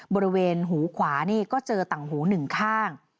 บริเวณหูขวานี่ก็เจอต่างหูหนึ่งข้าง